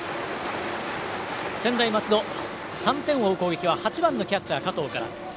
専大松戸３点を追う攻撃は８番キャッチャー、加藤から。